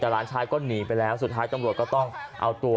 แต่หลานชายก็หนีไปแล้วสุดท้ายตำรวจก็ต้องเอาตัว